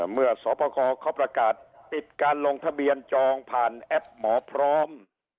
เมื่อสอบประคอเขาประกาศปิดการลงทะเบียนจองผ่านแอปหมอพร้อม